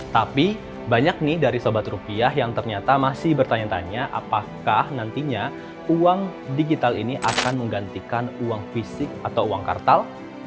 tapi banyak nih dari sobat rupiah yang ternyata masih bertanya tanya apakah nantinya uang digital ini akan menggantikan uang fisik atau uang kartal